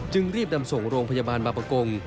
รีบนำส่งโรงพยาบาลบางประกง